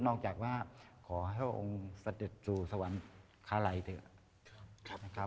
นอกจากว่าขอให้ว่าองค์เสด็จสู่สวรรค์คาไล่เถอะ